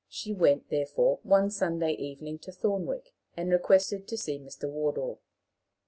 She went, therefore, one Sunday evening, to Thornwick, and requested to see Mr. Wardour.